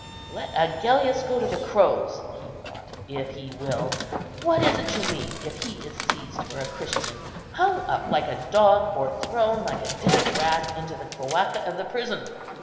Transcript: "Let Agellius go to the crows," he thought, "if he will; what is it to me if he is seized for a Christian, hung up like a dog, or thrown like a dead rat into the cloaca of the prison?